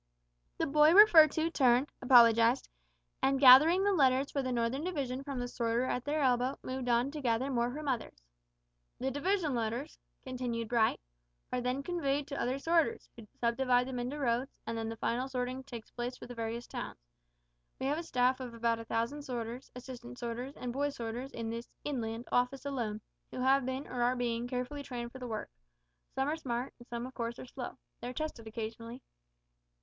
The boy referred to turned, apologised, and gathering the letters for the northern division from the sorter at their elbow, moved on to gather more from others. "The division letters," continued Bright, "are then conveyed to other sorters, who subdivide them into roads, and then the final sorting takes place for the various towns. We have a staff of about a thousand sorters, assistant sorters, and boy sorters in this (Inland) office alone, who have been, or are being, carefully trained for the work. Some are smart, and some of course are slow. They are tested occasionally.